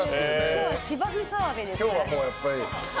今日は芝生澤部ですね。